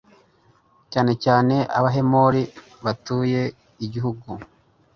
cyane cyane abahemori batuye igihugu